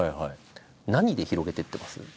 何で広げてってます？